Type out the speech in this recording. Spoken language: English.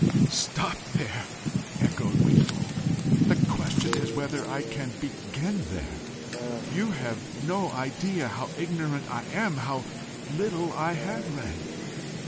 "Stopped there!" echoed Wingfold. "The question is whether I can begin there. You have no idea how ignorant I am how little I have read!"